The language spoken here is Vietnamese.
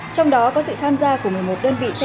trong đó có sự tham gia của hội phụ nữ bộ tư lệnh cảnh vệ